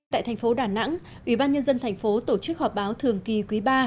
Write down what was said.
tại thành phố đà nẵng ủy ban nhân dân thành phố tổ chức họp báo thường kỳ quý ba